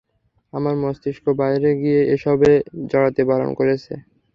আমার মস্তিষ্ক বাইরে গিয়ে এসবে জড়াতে বারণ করছে।